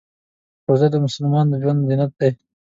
روژه د مسلمان د ژوند زینت دی.